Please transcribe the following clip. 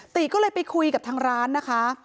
ติก็เลยไปคุยกับทางร้านนะคะ